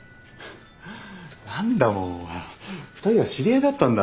何だもう２人は知り合いだったんだ。